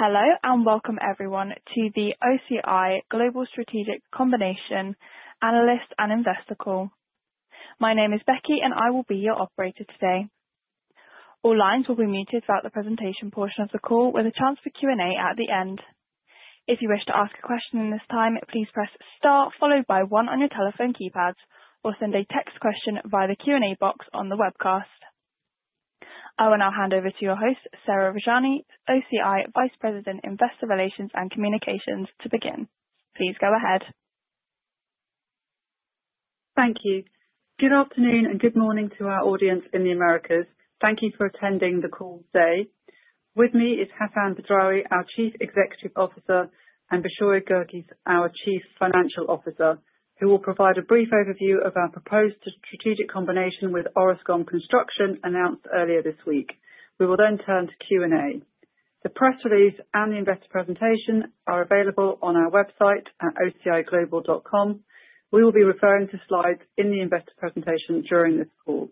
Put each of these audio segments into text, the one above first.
Hello and welcome everyone to the OCI Global Strategic Combination Analyst and Investor Call. My name is Becky and I will be your operator today. All lines will be muted throughout the presentation portion of the call, with a chance for Q&A at the end. If you wish to ask a question at this time, please press star followed by one on your telephone keypad or send a text question via the Q&A box on the webcast. I will now hand over to your host, Sarah Rajani, OCI Vice President, Investor Relations and Communications, to begin. Please go ahead. Thank you. Good afternoon and good morning to our audience in the Americas. Thank you for attending the call today. With me is Hassan Badrawi, our Chief Executive Officer, and Beshoy Guirguis, our Chief Financial Officer, who will provide a brief overview of our proposed strategic combination with Orascom Construction announced earlier this week. We will then turn to Q&A. The press release and the investor presentation are available on our website at ociglobal.com. We will be referring to slides in the investor presentation during this call.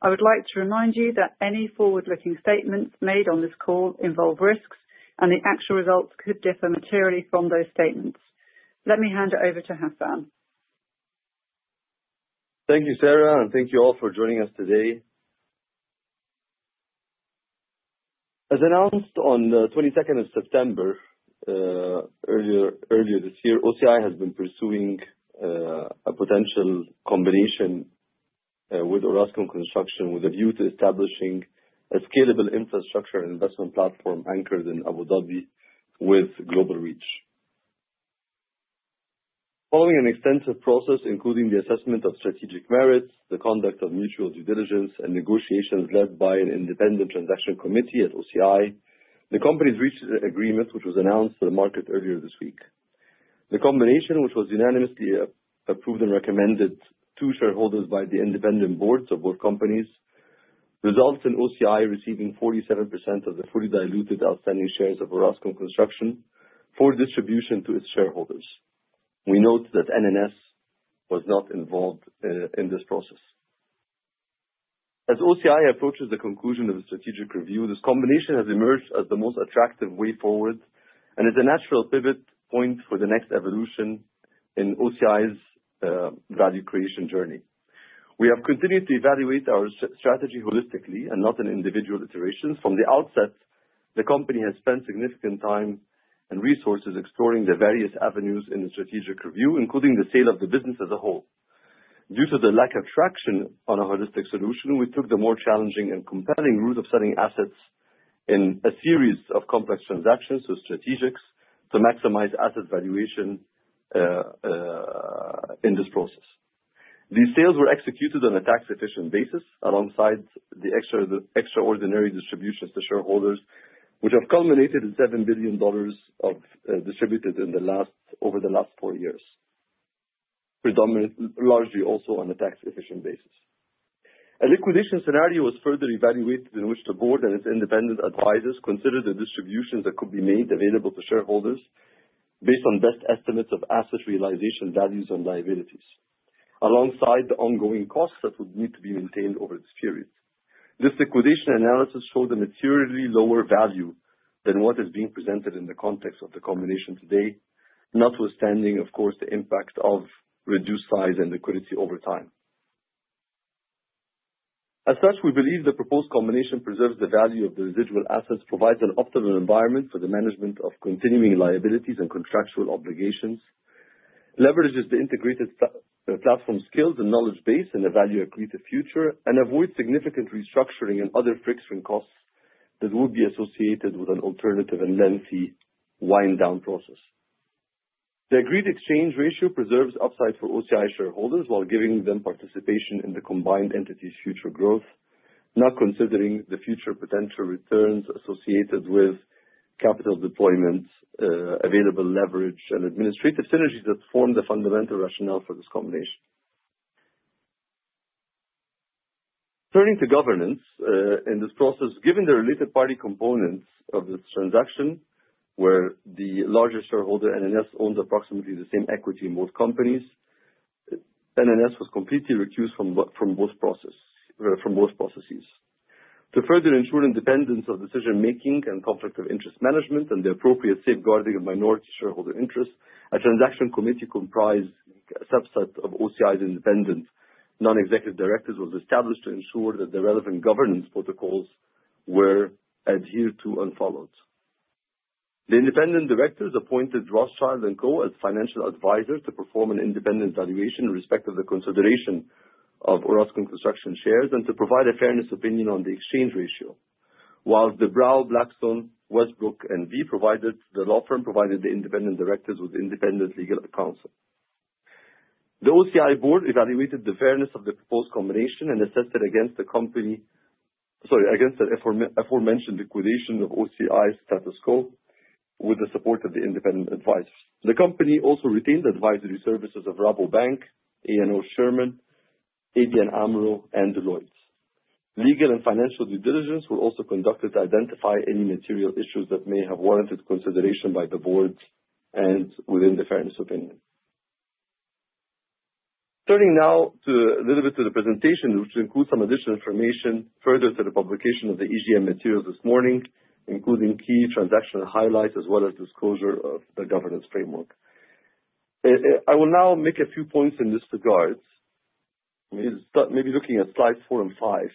I would like to remind you that any forward-looking statements made on this call involve risks, and the actual results could differ materially from those statements. Let me hand it over to Hassan. Thank you, Sarah, and thank you all for joining us today. As announced on the 22nd of September earlier this year, OCI has been pursuing a potential combination with Orascom Construction with a view to establishing a scalable infrastructure and investment platform anchored in Abu Dhabi with global reach. Following an extensive process, including the assessment of strategic merits, the conduct of mutual due diligence, and negotiations led by an independent transaction committee at OCI, the companies reached an agreement which was announced to the market earlier this week. The combination, which was unanimously approved and recommended to shareholders by the independent boards of both companies, results in OCI receiving 47% of the fully diluted outstanding shares of Orascom Construction for distribution to its shareholders. We note that NNS was not involved in this process. As OCI approaches the conclusion of the Strategic Review, this combination has emerged as the most attractive way forward and is a natural pivot point for the next evolution in OCI's value creation journey. We have continued to evaluate our strategy holistically and not in individual iterations. From the outset, the company has spent significant time and resources exploring the various avenues in the Strategic Review, including the sale of the business as a whole. Due to the lack of traction on a holistic solution, we took the more challenging and compelling route of selling assets in a series of complex transactions, so strategics, to maximize asset valuation in this process. These sales were executed on a tax-efficient basis alongside the extraordinary distributions to shareholders, which have culminated in $7 billion distributed over the last four years, predominantly largely also on a tax-efficient basis. A liquidation scenario was further evaluated in which the board and its independent advisors considered the distributions that could be made available to shareholders based on best estimates of asset realization values and liabilities alongside the ongoing costs that would need to be maintained over this period. This liquidation analysis showed a materially lower value than what is being presented in the context of the combination today, notwithstanding, of course, the impact of reduced size and liquidity over time. As such, we believe the proposed combination preserves the value of the residual assets, provides an optimal environment for the management of continuing liabilities and contractual obligations, leverages the integrated platform skills and knowledge base in a value-accretive future, and avoids significant restructuring and other friction costs that would be associated with an alternative and lengthy wind-down process. The agreed exchange ratio preserves upside for OCI shareholders while giving them participation in the combined entity's future growth, not considering the future potential returns associated with capital deployment, available leverage, and administrative synergies that form the fundamental rationale for this combination. Turning to governance in this process, given the related party components of this transaction where the larger shareholder NNS owns approximately the same equity in both companies, NNS was completely recused from both processes. To further ensure independence of decision-making and conflict of interest management and the appropriate safeguarding of minority shareholder interests, a transaction committee comprised a subset of OCI's independent non-executive directors was established to ensure that the relevant governance protocols were adhered to and followed. The independent directors appointed Rothschild & Co as financial advisors to perform an independent valuation with respect to the consideration of Orascom Construction shares and to provide a fairness opinion on the exchange ratio, while De Brauw Blackstone Westbroek provided the independent directors with independent legal counsel. The OCI board evaluated the fairness of the proposed combination and assessed it against the company sorry, against the aforementioned liquidation of OCI's status quo with the support of the independent advisors. The company also retained the advisory services of Rabobank, A&O Shearman, ABN AMRO, and Deloitte. Legal and financial due diligence were also conducted to identify any material issues that may have warranted consideration by the board and within the fairness opinion. Turning now a little bit to the presentation, which includes some additional information further to the publication of the EGM materials this morning, including key transactional highlights as well as disclosure of the governance framework. I will now make a few points in this regard. Maybe looking at slides four and five.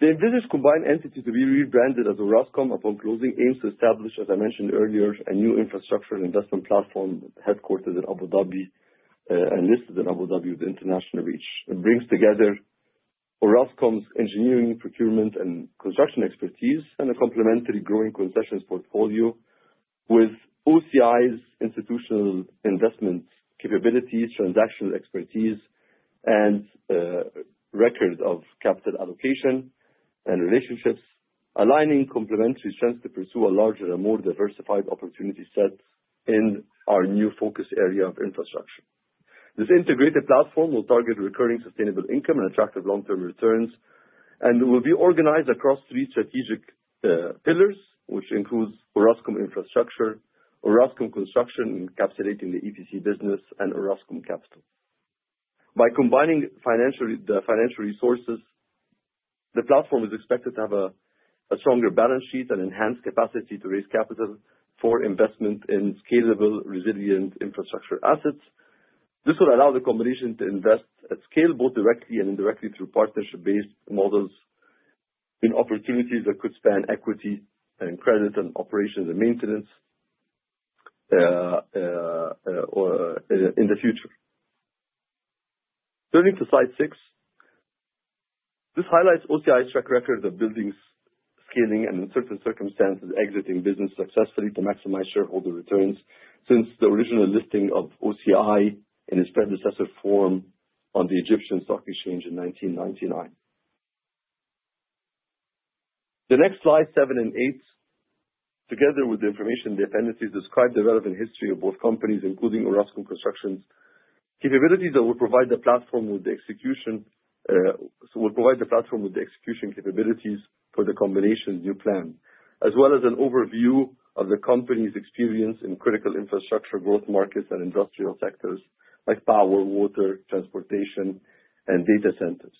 The envisaged combined entity to be rebranded as Orascom upon closing aims to establish, as I mentioned earlier, a new infrastructure and investment platform headquartered in Abu Dhabi and listed in Abu Dhabi with international reach. It brings together Orascom's engineering, procurement, and construction expertise and a complementary growing concessions portfolio with OCI's institutional investment capabilities, transactional expertise, and record of capital allocation and relationships, aligning complementary strengths to pursue a larger and more diversified opportunity set in our new focus area of infrastructure. This integrated platform will target recurring sustainable income and attractive long-term returns and will be organized across three strategic pillars, which includes Orascom Infrastructure, Orascom Construction, encapsulating the EPC business, and Orascom Capital. By combining the financial resources, the platform is expected to have a stronger balance sheet and enhanced capacity to raise capital for investment in scalable, resilient infrastructure assets. This will allow the combination to invest at scale both directly and indirectly through partnership-based models in opportunities that could span equity and credit and operations and maintenance in the future. Turning to slide six, this highlights OCI's track record of building scaling and, in certain circumstances, exiting business successfully to maximize shareholder returns since the original listing of OCI in its predecessor form on the Egyptian Stock Exchange in 1999. The next slide, seven and eight, together with the information in the appendices, describe the relevant history of both companies, including Orascom Construction's capabilities that will provide the platform with the execution capabilities for the combination's new plan, as well as an overview of the company's experience in critical infrastructure growth markets and industrial sectors like power, water, transportation, and data centers,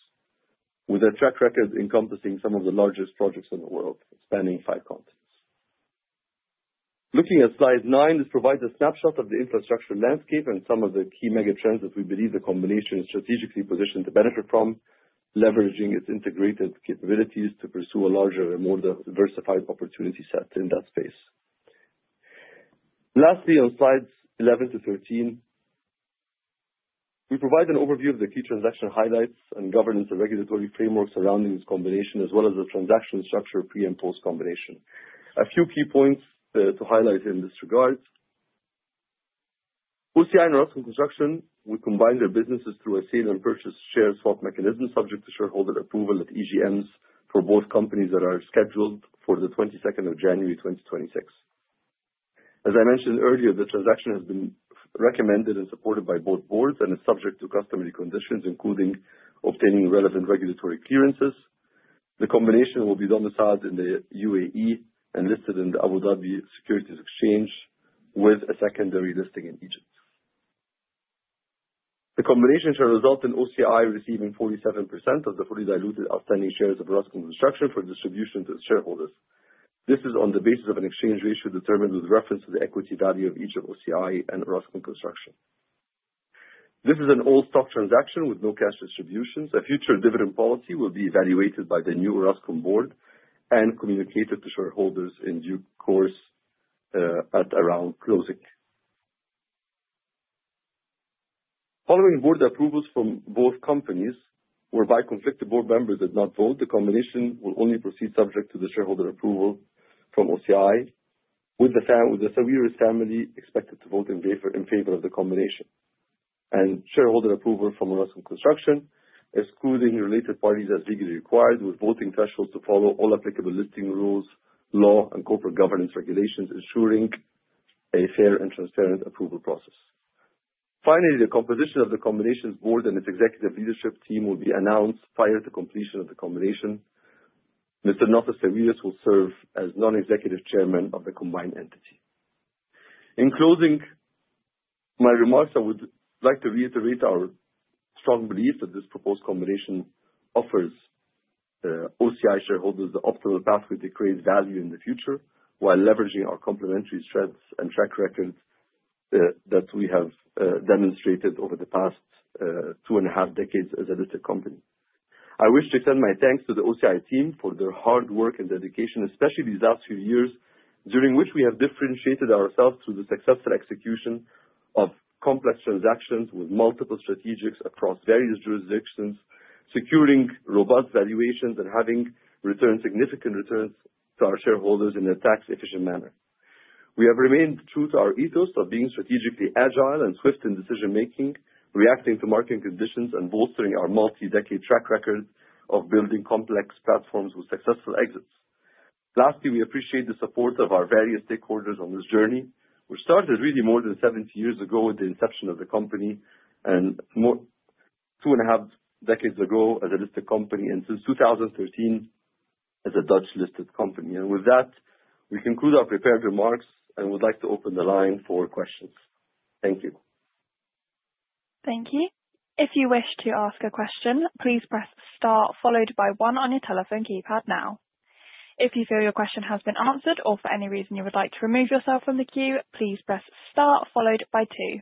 with a track record encompassing some of the largest projects in the world spanning five continents. Looking at slide nine, this provides a snapshot of the infrastructure landscape and some of the key mega trends that we believe the combination is strategically positioned to benefit from, leveraging its integrated capabilities to pursue a larger and more diversified opportunity set in that space. Lastly, on slides 11 to 13, we provide an overview of the key transactional highlights and governance and regulatory framework surrounding this combination, as well as the transaction structure pre and post-combination. A few key points to highlight in this regard. OCI and Orascom Construction will combine their businesses through a sale and purchase share swap mechanism subject to shareholder approval at EGMs for both companies that are scheduled for the 22nd of January, 2026. As I mentioned earlier, the transaction has been recommended and supported by both boards and is subject to customary conditions, including obtaining relevant regulatory clearances. The combination will be domiciled in the UAE and listed in the Abu Dhabi Securities Exchange with a secondary listing in Egypt. The combination shall result in OCI receiving 47% of the fully diluted outstanding shares of Orascom Construction for distribution to its shareholders. This is on the basis of an exchange ratio determined with reference to the equity value of each of OCI and Orascom Construction. This is an all-stock transaction with no cash distributions. A future dividend policy will be evaluated by the new Orascom board and communicated to shareholders in due course at around closing. Following board approvals from both companies, whereby conflicted board members did not vote, the combination will only proceed subject to the shareholder approval from OCI, with the Sawiris' family expected to vote in favor of the combination and shareholder approval from Orascom Construction, excluding related parties as legally required, with voting thresholds to follow all applicable listing rules, law, and corporate governance regulations, ensuring a fair and transparent approval process. Finally, the composition of the combination's board and its executive leadership team will be announced prior to completion of the combination. Mr. Nassef Sawiris will serve as Non-Executive Chairman of the combined entity. In closing my remarks, I would like to reiterate our strong belief that this proposed combination offers OCI shareholders the optimal pathway to create value in the future while leveraging our complementary strengths and track record that we have demonstrated over the past two and a half decades as a listed company. I wish to extend my thanks to the OCI team for their hard work and dedication, especially these last few years during which we have differentiated ourselves through the successful execution of complex transactions with multiple strategics across various jurisdictions, securing robust valuations and having returned significant returns to our shareholders in a tax-efficient manner. We have remained true to our ethos of being strategically agile and swift in decision-making, reacting to market conditions and bolstering our multi-decade track record of building complex platforms with successful exits. Lastly, we appreciate the support of our various stakeholders on this journey, which started really more than 70 years ago with the inception of the company and two and a half decades ago as a listed company and since 2013 as a Dutch-listed company, and with that, we conclude our prepared remarks and would like to open the line for questions. Thank you. Thank you. If you wish to ask a question, please press star followed by one on your telephone keypad now. If you feel your question has been answered or for any reason you would like to remove yourself from the queue, please press star followed by two.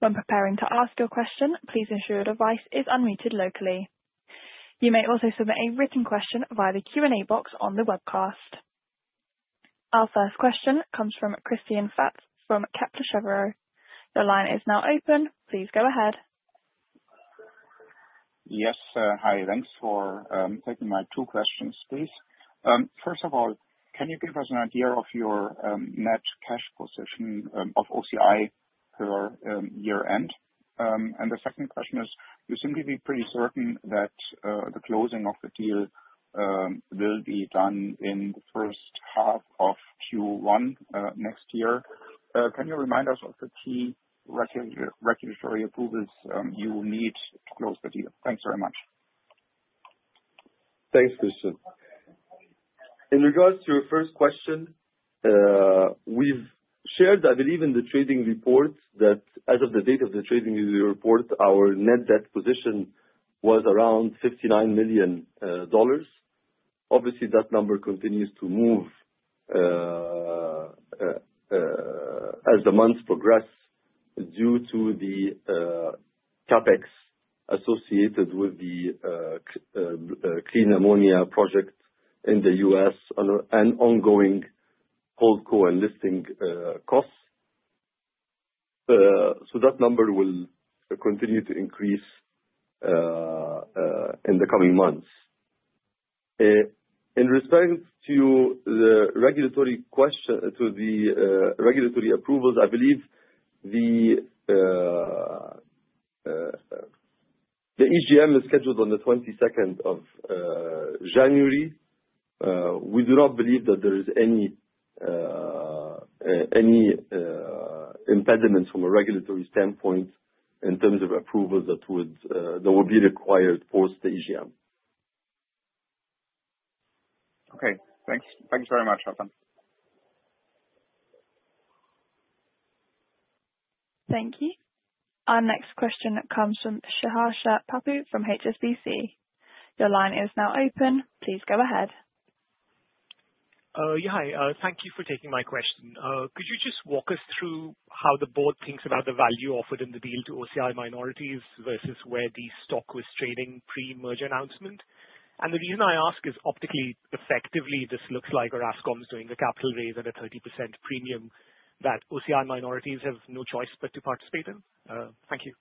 When preparing to ask your question, please ensure your device is unmuted locally. You may also submit a written question via the Q&A box on the webcast. Our first question comes from Christian Faitz from Kepler Cheuvreux. The line is now open. Please go ahead. Yes, hi. Thanks for taking my two questions, please. First of all, can you give us an idea of your net cash position of OCI per year-end? And the second question is, do you seem to be pretty certain that the closing of the deal will be done in the first half of Q1 next year? Can you remind us of the key regulatory approvals you will need to close the deal? Thanks very much. Thanks, Christian. In regards to your first question, we've shared, I believe, in the trading report that as of the date of the trading report, our net debt position was around $59 million. Obviously, that number continues to move as the months progress due to the CapEx associated with the clean ammonia project in the U.S. and ongoing consulting and listing costs. So that number will continue to increase in the coming months. In respect to the regulatory question to the regulatory approvals, I believe the EGM is scheduled on the 22nd of January. We do not believe that there is any impediment from a regulatory standpoint in terms of approvals that will be required post-EGM. Okay. Thanks. Thanks very much, Hassan. Thank you. Our next question comes from Sriharsha Pappu from HSBC. Your line is now open. Please go ahead. Yeah. Hi. Thank you for taking my question. Could you just walk us through how the board thinks about the value offered in the deal to OCI minorities versus where the stock was trading pre-merger announcement? And the reason I ask is optically, effectively, this looks like Orascom's doing a capital raise at a 30% premium that OCI minorities have no choice but to participate in. Thank you.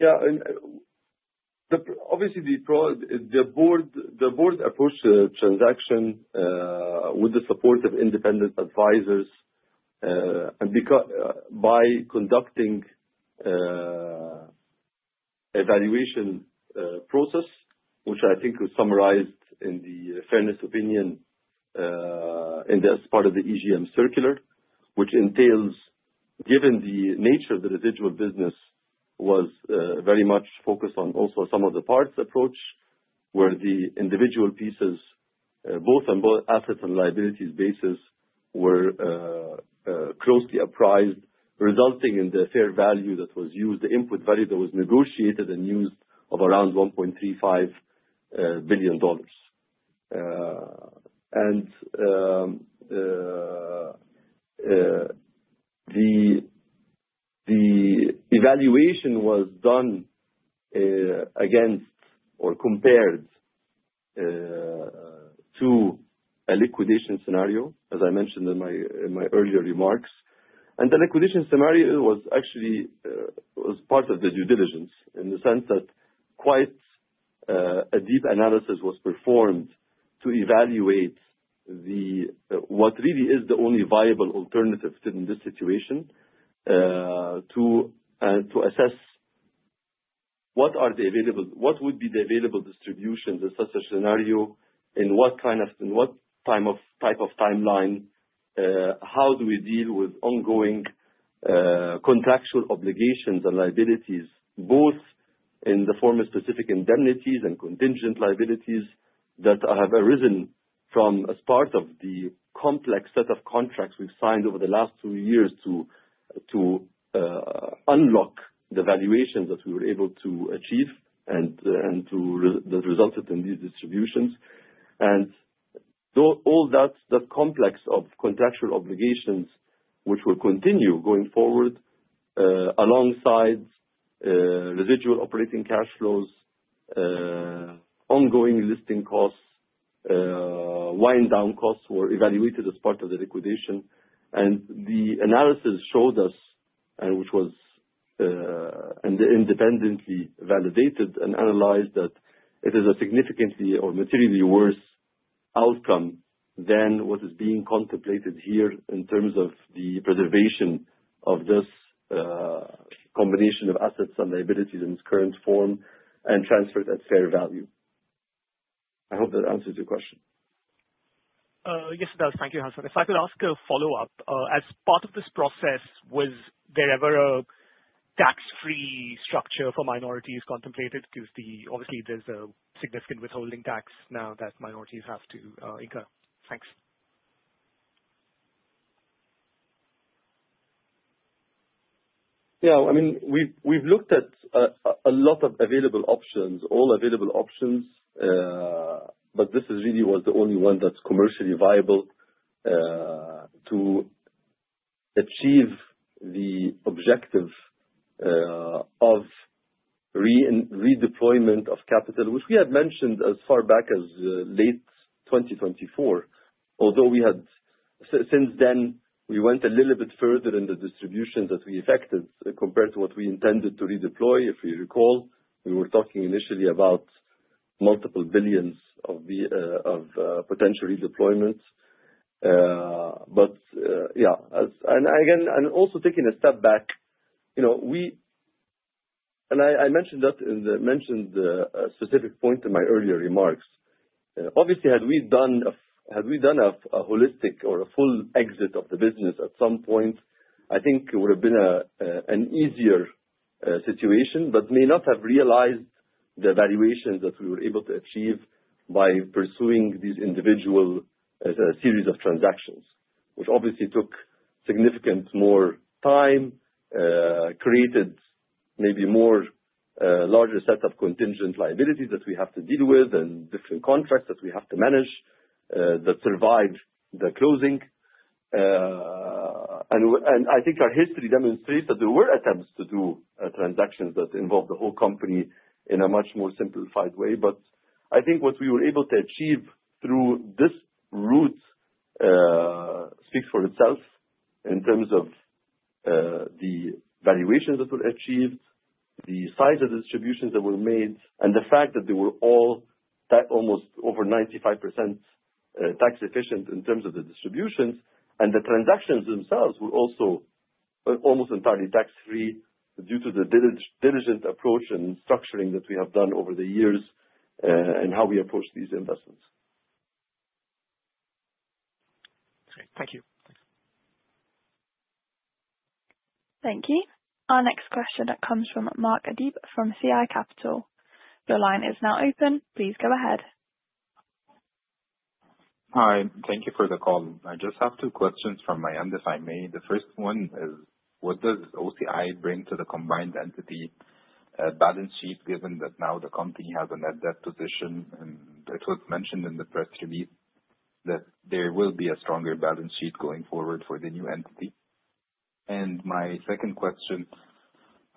Yeah. Obviously, the board approached the transaction with the support of independent advisors by conducting an evaluation process, which I think was summarized in the fairness opinion as part of the EGM circular, which entails, given the nature of the residual business, was very much focused on also the sum-of-the-parts approach where the individual pieces, both on assets and liabilities basis, were closely appraised, resulting in the fair value that was used, the input value that was negotiated and used of around $1.35 billion, and the evaluation was done against or compared to a liquidation scenario, as I mentioned in my earlier remarks. And the Liquidation Scenario was actually part of the due diligence in the sense that quite a deep analysis was performed to evaluate what really is the only viable alternative in this situation to assess what would be the available distributions in such a scenario, in what kind of type of timeline, how do we deal with ongoing contractual obligations and liabilities, both in the form of specific indemnities and contingent liabilities that have arisen from as part of the complex set of contracts we've signed over the last two years to unlock the valuations that we were able to achieve and that resulted in these distributions. And all that complex of contractual obligations, which will continue going forward alongside residual operating cash flows, ongoing listing costs, wind-down costs were evaluated as part of the liquidation. The analysis showed us, which was independently validated and analyzed, that it is a significantly or materially worse outcome than what is being contemplated here in terms of the preservation of this combination of assets and liabilities in its current form and transferred at fair value. I hope that answers your question. Yes, it does. Thank you, Hassan. If I could ask a follow-up, as part of this process, was there ever a tax-free structure for minorities contemplated? Because obviously, there's a significant withholding tax now that minorities have to incur. Thanks. Yeah. I mean, we've looked at a lot of available options, all available options, but this really was the only one that's commercially viable to achieve the objective of redeployment of capital, which we had mentioned as far back as late 2024. Although since then, we went a little bit further in the distributions that we effected compared to what we intended to redeploy. If you recall, we were talking initially about multiple billions of potential re-deployments. But yeah. And again, and also taking a step back, and I mentioned that in the mentioned specific point in my earlier remarks. Obviously, had we done a holistic or a full exit of the business at some point, I think it would have been an easier situation, but may not have realized the valuations that we were able to achieve by pursuing these individual series of transactions, which obviously took significantly more time, created maybe a larger set of contingent liabilities that we have to deal with and different contracts that we have to manage that survived the closing. I think our history demonstrates that there were attempts to do transactions that involved the whole company in a much more simplified way. But I think what we were able to achieve through this route speaks for itself in terms of the valuations that were achieved, the size of the distributions that were made, and the fact that they were all almost over 95% tax-efficient in terms of the distributions. And the transactions themselves were also almost entirely tax-free due to the diligent approach and structuring that we have done over the years and how we approach these investments. Great. Thank you. Thank you. Our next question comes from Ahmed Labib from CI Capital. Your line is now open. Please go ahead. Hi. Thank you for the call. I just have two questions from my end, if I may. The first one is, what does OCI bring to the combined entity balance sheet given that now the company has a net debt position? And it was mentioned in the press release that there will be a stronger balance sheet going forward for the new entity. And my second question,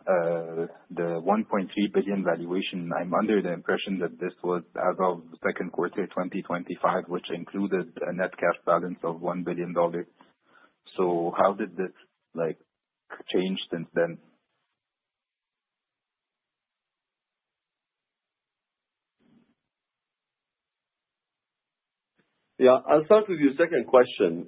the $1.3 billion valuation, I'm under the impression that this was as of the second quarter 2025, which included a net cash balance of $1 billion. So how did this change since then? Yeah. I'll start with your second question.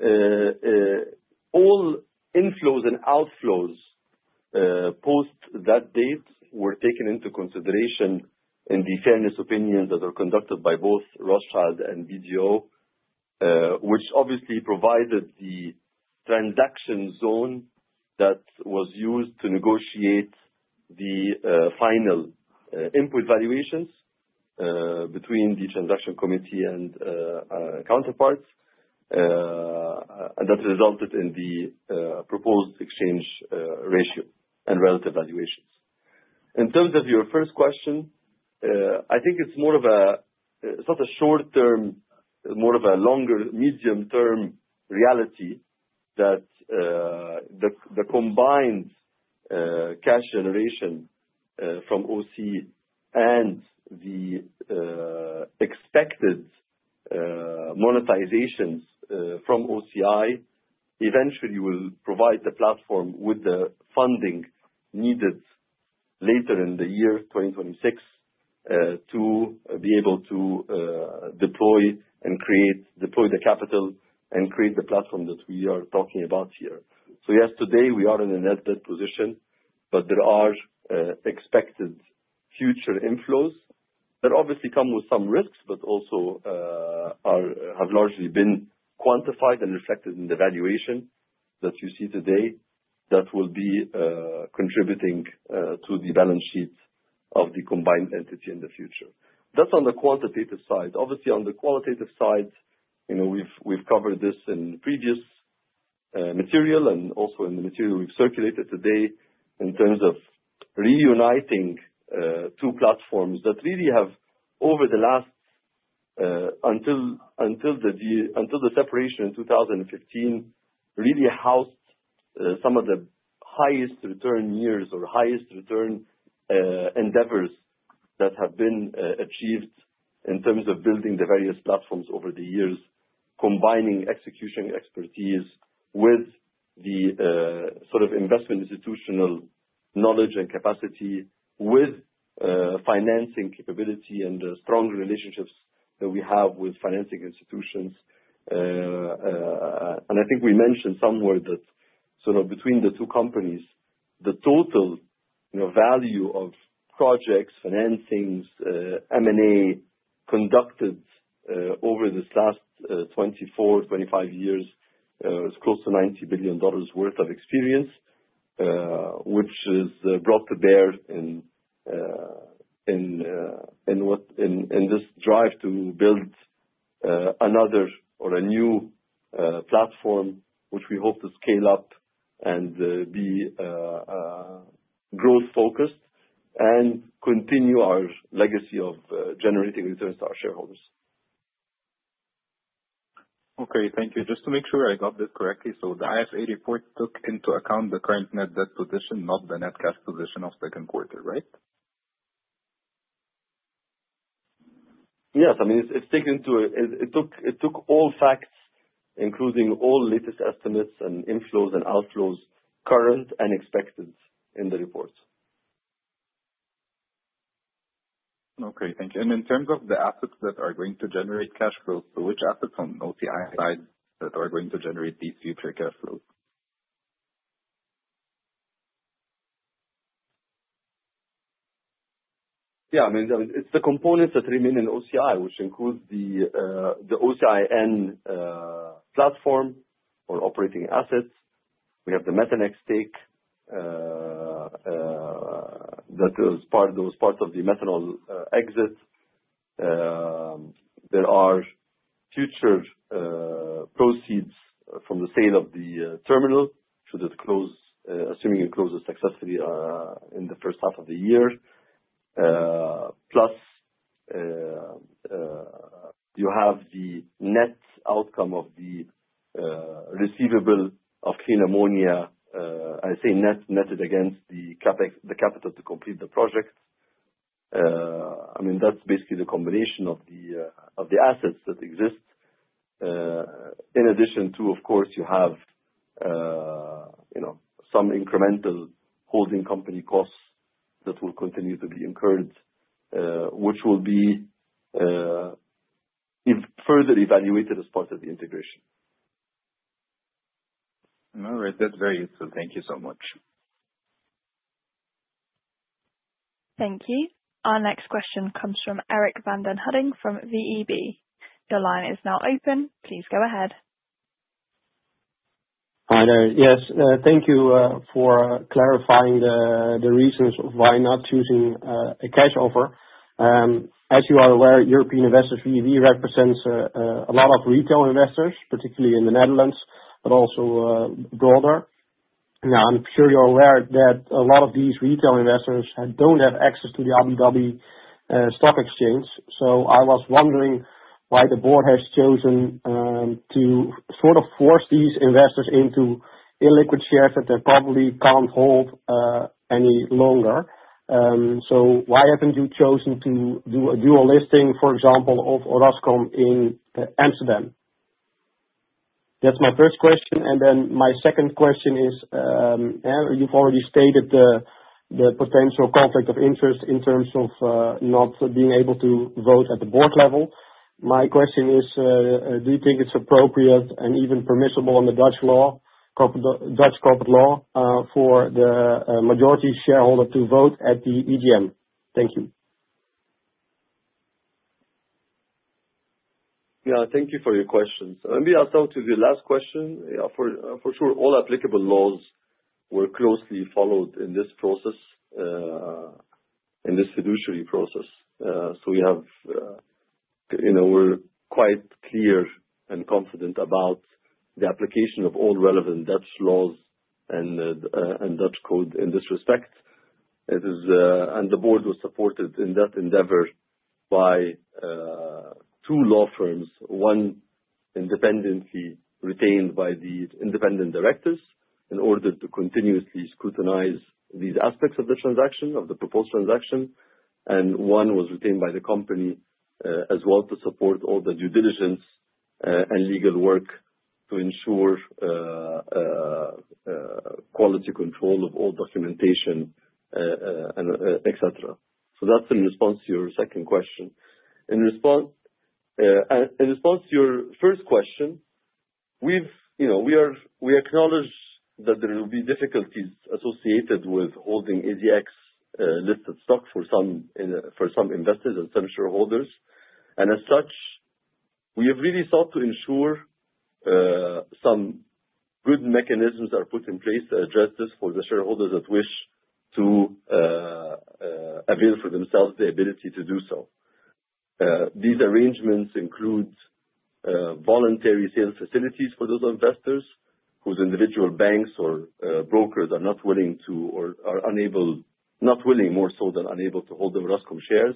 All inflows and outflows post that date were taken into consideration in the fairness opinions that were conducted by both Rothschild and BDO, which obviously provided the transaction zone that was used to negotiate the final input valuations between the transaction committee and counterparts. And that resulted in the proposed exchange ratio and relative valuations. In terms of your first question, I think it's more of a sort of short-term, more of a longer medium-term reality that the combined cash generation from OC and the expected monetizations from OCI eventually will provide the platform with the funding needed later in the year 2026 to be able to deploy and create the capital and create the platform that we are talking about here. So yes, today we are in a net debt position, but there are expected future inflows that obviously come with some risks, but also have largely been quantified and reflected in the valuation that you see today that will be contributing to the balance sheet of the combined entity in the future. That's on the quantitative side. Obviously, on the qualitative side, we've covered this in previous material and also in the material we've circulated today in terms of reuniting two platforms that really have, over the last until the separation in 2015, really housed some of the highest return years or highest return endeavors that have been achieved in terms of building the various platforms over the years, combining execution expertise with the sort of investment institutional knowledge and capacity with financing capability and the strong relationships that we have with financing institutions. I think we mentioned somewhere that sort of between the two companies, the total value of projects, financings, M&A conducted over this last 24, 25 years is close to $90 billion worth of experience, which is brought to bear in this drive to build another or a new platform, which we hope to scale up and be growth-focused and continue our legacy of generating returns to our shareholders. Okay. Thank you. Just to make sure I got this correctly, so the IFA report took into account the current net debt position, not the net cash position of second quarter, right? Yes. I mean, it took all facts, including all latest estimates and inflows and outflows current and expected in the report. Okay. Thank you. In terms of the assets that are going to generate cash flows, so which assets on OCI side that are going to generate these future cash flows? Yeah. I mean, it's the components that remain in OCI, which includes the OCI Nitrogen platform or operating assets. We have the Methanex stake that was part of the methanol exit. There are future proceeds from the sale of the terminal should it close, assuming it closes successfully in the first half of the year. Plus, you have the net outcome of the receivable of clean ammonia. I say net, netted against the capital to complete the project. I mean, that's basically the combination of the assets that exist. In addition to, of course, you have some incremental holding company costs that will continue to be incurred, which will be further evaluated as part of the integration. All right. That's very useful. Thank you so much. Thank you. Our next question comes from Eric van den Hudding from VEB. Your line is now open. Please go ahead. Hi there. Yes. Thank you for clarifying the reasons of why not choosing a cash offer. As you are aware, European Investors VEB represents a lot of retail investors, particularly in the Netherlands, but also broader. Now, I'm sure you're aware that a lot of these retail investors don't have access to the Abu Dhabi Securities Exchange. So I was wondering why the board has chosen to sort of force these investors into illiquid shares that they probably can't hold any longer. So why haven't you chosen to do a dual listing, for example, of Orascom in Amsterdam? That's my first question. Then my second question is, you've already stated the potential conflict of interest in terms of not being able to vote at the board level. My question is, do you think it's appropriate and even permissible under Dutch corporate law for the majority shareholder to vote at the AGM? Thank you. Yeah. Thank you for your questions. Maybe I'll start with your last question. For sure, all applicable laws were closely followed in this process, in this fiduciary process. So we're quite clear and confident about the application of all relevant Dutch laws and Dutch code in this respect. And the board was supported in that endeavor by two law firms, one independently retained by the independent directors in order to continuously scrutinize these aspects of the transaction, of the proposed transaction. And one was retained by the company as well to support all the due diligence and legal work to ensure quality control of all documentation, etc. So that's in response to your second question. In response to your first question, we acknowledge that there will be difficulties associated with holding ADX-listed stock for some investors and some shareholders. And as such, we have really sought to ensure some good mechanisms are put in place to address this for the shareholders that wish to avail for themselves the ability to do so. These arrangements include voluntary sale facilities for those investors whose individual banks or brokers are not willing to, or are unable, not willing more so than unable to hold Orascom shares,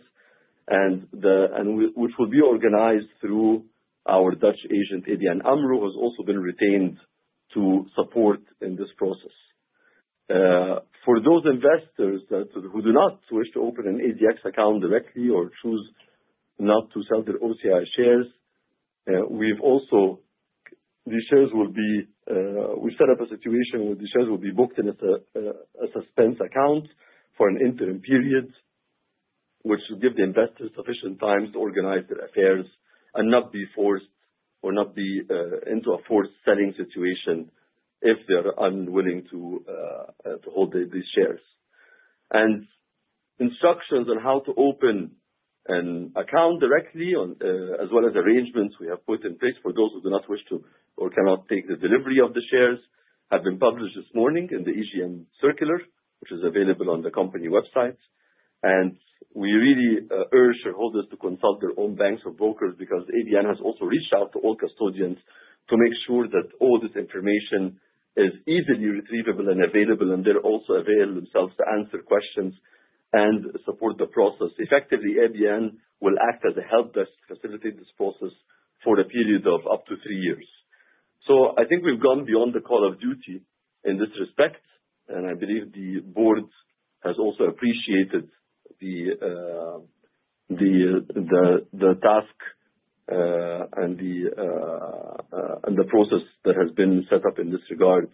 which will be organized through our Dutch agent, ABN AMRO, who has also been retained to support in this process. For those investors who do not wish to open an ADX account directly or choose not to sell their OCI shares, we've set up a situation where the shares will be booked in a suspense account for an interim period, which will give the investors sufficient time to organize their affairs and not be forced into a forced selling situation if they are unwilling to hold these shares. And instructions on how to open an account directly, as well as arrangements we have put in place for those who do not wish to or cannot take the delivery of the shares, have been published this morning in the AGM circular, which is available on the company website. We really urge shareholders to consult their own banks or brokers because ABN has also reached out to all custodians to make sure that all this information is easily retrievable and available, and they're also available themselves to answer questions and support the process effectively. ABN will act as a help-desk facility in this process for a period of up to three years. So I think we've gone beyond the call of duty in this respect. I believe the board has also appreciated the task and the process that has been set up in this regard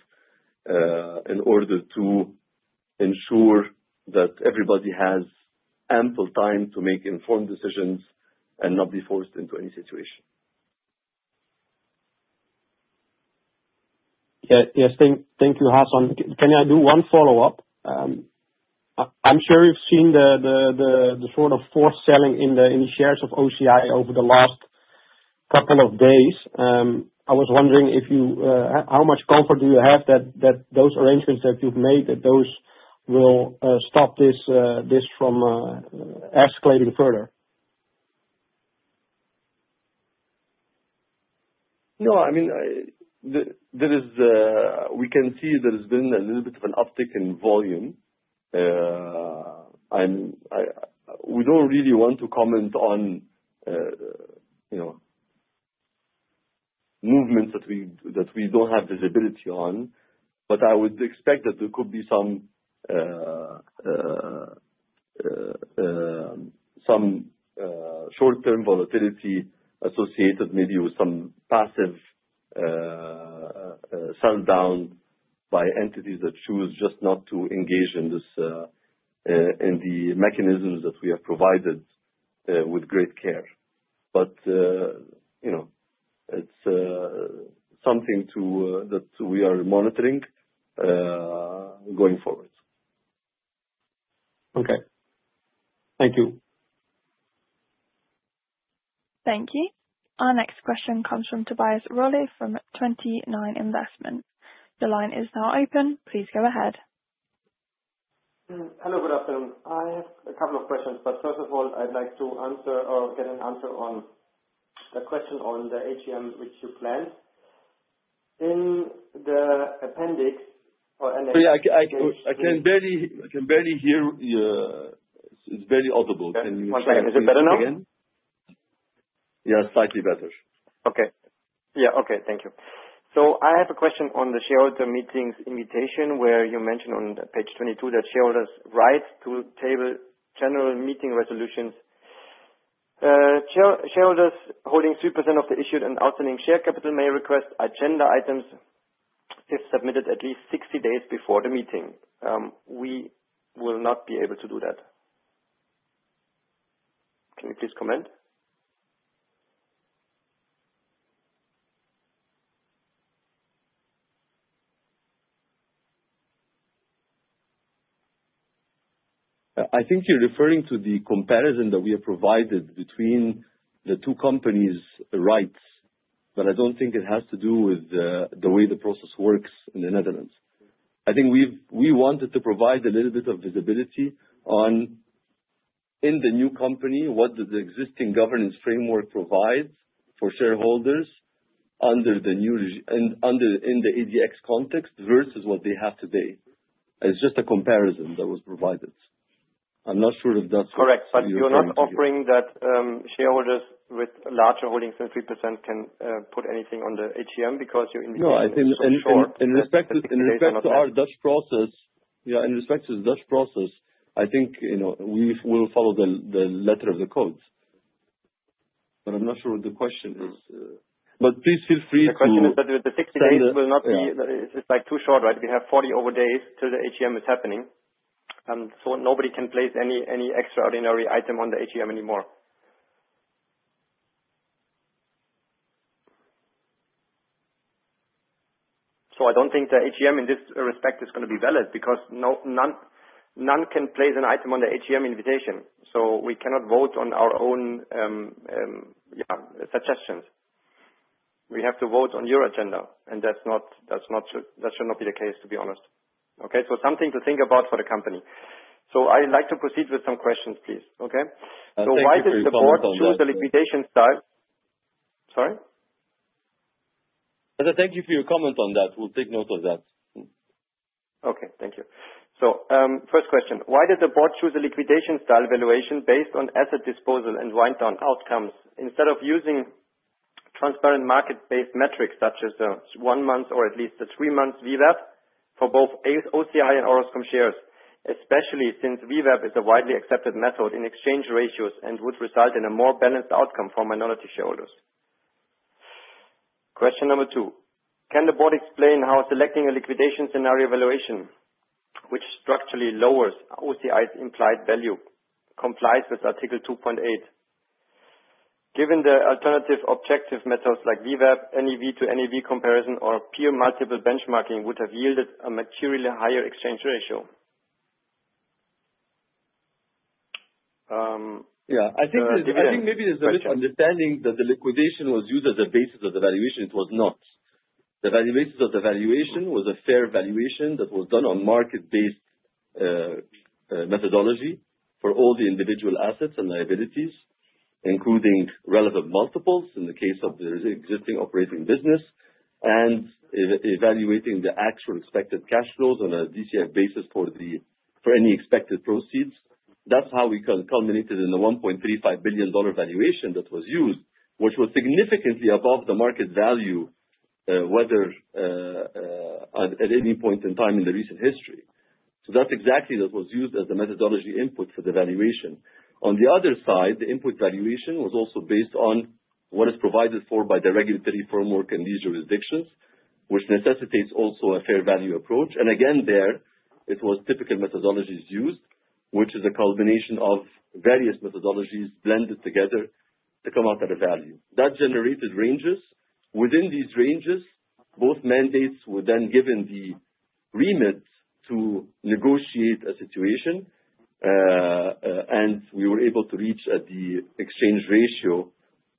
in order to ensure that everybody has ample time to make informed decisions and not be forced into any situation. Yes. Thank you, Hassan. Can I do one follow-up? I'm sure you've seen the sort of forced selling in the shares of OCI over the last couple of days. I was wondering how much comfort do you have that those arrangements that you've made, that those will stop this from escalating further? Yeah. I mean, we can see there's been a little bit of an uptick in volume. We don't really want to comment on movements that we don't have visibility on, but I would expect that there could be some short-term volatility associated maybe with some passive sell-down by entities that choose just not to engage in the mechanisms that we have provided with great care. But it's something that we are monitoring going forward. Okay. Thank you. Thank you. Our next question comes from Tobias Rolle from Twenty Nine Investments. The line is now open. Please go ahead. Hello. Good afternoon. I have a couple of questions, but first of all, I'd like to answer or get an answer on the question on the AGM, which you planned. In the appendix or annex, which. I can barely hear you. It's barely audible. Can you hear me? One second, Is it better now? Yeah. Slightly better. Okay. Yeah. Okay. Thank you. So I have a question on the shareholder meetings invitation where you mentioned on page 22 that shareholders' rights to table general meeting resolutions. Shareholders holding 3% of the issued and outstanding share capital may request agenda items if submitted at least 60 days before the meeting. We will not be able to do that. Can you please comment? I think you're referring to the comparison that we have provided between the two companies' rights, but I don't think it has to do with the way the process works in the Netherlands. I think we wanted to provide a little bit of visibility on, in the new company, what does the existing governance framework provide for shareholders under the new in the ADX context versus what they have today. It's just a comparison that was provided. I'm not sure if that's correct. But you're not offering that shareholders with larger holdings than 3% can put anything on the AGM because you're inviting them to show. No. In respect to our Dutch process, yeah, in respect to the Dutch process, I think we will follow the letter of the code. But I'm not sure what the question is. But please feel free to. The question is that the 60 days will not be; it's too short, right? We have 40-over days till the AGM is happening. So nobody can place any extraordinary item on the AGM anymore? I don't think the AGM, in this respect, is going to be valid because no one can place an item on the AGM invitation. We cannot vote on our own, yeah, suggestions. We have to vote on your agenda. That should not be the case, to be honest. Okay? Something to think about for the company. I'd like to proceed with some questions, please. Okay? Why did the board choose the liquidation scenario? Sorry? And I thank you for your comment on that. We'll take note of that. Okay. Thank you. First question. Why did the board choose a liquidation style valuation based on asset disposal and write-down outcomes instead of using transparent market-based metrics such as the one-month or at least the three-month VWAP for both OCI and Orascom shares, especially since VWAP is a widely accepted method in exchange ratios and would result in a more balanced outcome for minority shareholders? Question number two. Can the board explain how selecting a liquidation scenario valuation, which structurally lowers OCI's implied value, complies with Article 2.8? Given the alternative objective methods like VWAP, NAV-to-NAV comparison, or peer multiple benchmarking would have yielded a materially higher exchange ratio? Yeah. I think maybe there's a misunderstanding that the liquidation was used as a basis of the valuation. It was not. The basis of the valuation was a fair valuation that was done on market-based methodology for all the individual assets and liabilities, including relevant multiples in the case of the existing operating business, and evaluating the actual expected cash flows on a DCF basis for any expected proceeds. That's how we culminated in the $1.35 billion valuation that was used, which was significantly above the market value, whether at any point in time in the recent history, so that's exactly what was used as the methodology input for the valuation. On the other side, the input valuation was also based on what is provided for by the regulatory framework in these jurisdictions, which necessitates also a fair value approach, and again, there, it was typical methodologies used, which is a culmination of various methodologies blended together to come out at a value. That generated ranges. Within these ranges, both mandates were then given the remit to negotiate a situation, and we were able to reach at the exchange ratio,